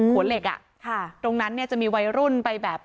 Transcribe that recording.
เหล็กอ่ะค่ะตรงนั้นเนี่ยจะมีวัยรุ่นไปแบบ